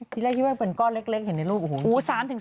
ที่แรกคิดว่าเป็นก้อนเล็กเห็นในรูปโอ้โห